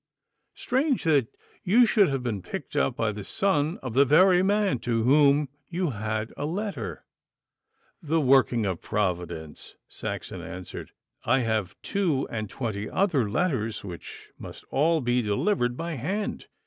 'Strange that you should have been picked up by the son of the very man to whom you had a letter.' 'The working of Providence,' Saxon answered. 'I have two and twenty other letters which must all be delivered by hand.